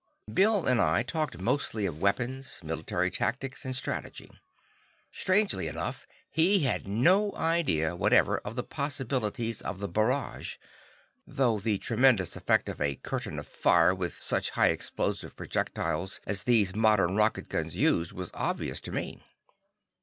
Bill and I talked mostly of weapons, military tactics and strategy. Strangely enough he had no idea whatever of the possibilities of the barrage, though the tremendous effect of a "curtain of fire" with such high explosive projectiles as these modern rocket guns used was obvious to me.